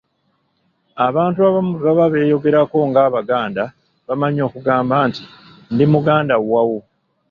Abantu abamu bwe baba beeyogerako ng'Abaganda, bamanyi okugamba nti, “Ndi muganda wawu".